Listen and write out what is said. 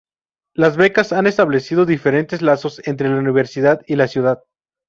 Las becas han establecido diferentes lazos entre la universidad y la ciudad.